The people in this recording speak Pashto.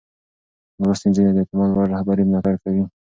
لوستې نجونې د اعتماد وړ رهبرۍ ملاتړ کوي.